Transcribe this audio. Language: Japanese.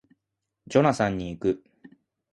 ジョナサンに行く